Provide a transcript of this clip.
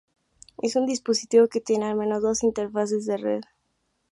Es un dispositivo que tiene al menos dos interfaces de red.